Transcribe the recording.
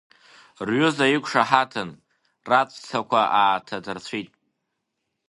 Рҩыза иқәшаҳаҭын, раҵәцақәа ааҭадырцәит.